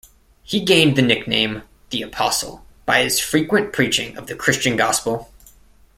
He gained the nickname "The Apostle" by his frequent preaching of the Christian gospel.